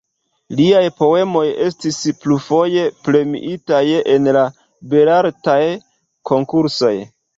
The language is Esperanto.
Liaj poemoj estis plurfoje premiitaj en la Belartaj Konkursoj.